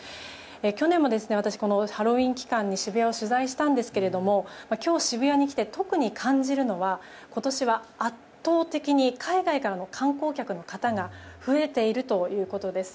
去年も私このハロウィーン期間に渋谷を取材したんですが今日、渋谷に来て特に感じるのは今年は圧倒的に海外からの観光客の方が増えているということです。